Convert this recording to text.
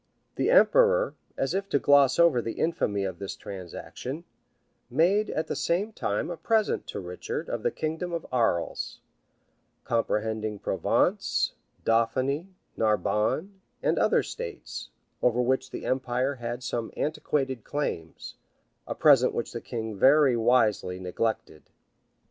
[*] The emperor, as if to gloss over the infamy of this transaction, made at the same time a present to Richard of the kingdom of Arles, comprehending Provence, Dauphiny, Narbonne, and other states, over which the empire had some antiquated claims; a present which the king very wisely neglected.